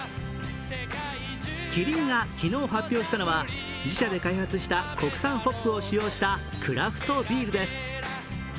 キリンが昨日発表したのは自社で開発した国産ホップを使用したクラフトビールです。